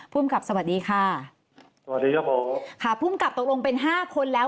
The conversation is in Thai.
ภูมิกับสวัสดีค่ะสวัสดีครับผมค่ะภูมิกับตกลงเป็นห้าคนแล้ว